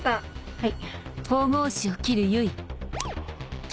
はい。